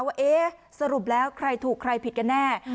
ว่าเอ๊ะสรุปแล้วใครถูกใครผิดกันแน่